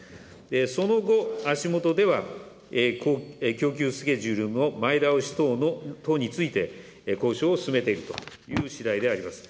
その後、足下では、供給スケジュールの前倒し等について、交渉を進めているというしだいであります。